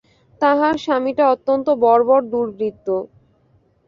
তাহার স্বামীটা অত্যন্ত বর্বর দুর্বৃত্ত।